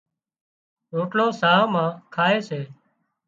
روٽلو ساهَه مان کائي سي